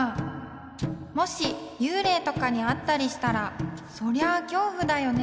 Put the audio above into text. もしゆうれいとかにあったりしたらそりゃ恐怖だよね。